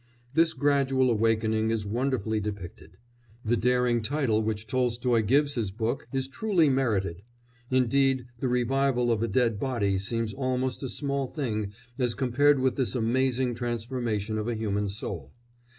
This gradual awakening is wonderfully depicted; the daring title which Tolstoy gives his book is truly merited; indeed the revival of a dead body seems almost a small thing as compared with this amazing transformation of a human soul.